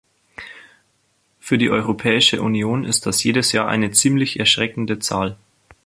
Für die Europäische Union ist das jedes Jahr eine ziemlich erschreckende Zahl.